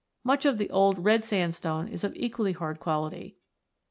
Much of the Old Red Sandstone is of equally hard quality ' Fig.